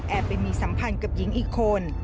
ไปมีสัมพันธ์กับหญิงอีกคน